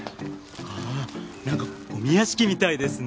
ああなんかゴミ屋敷みたいですね。